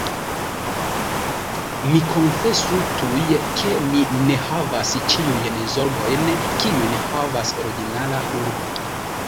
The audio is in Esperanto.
Mi konfesu tuj, ke ni ne havas ĉiujn zorgojn, kiujn havas ordinara urbo.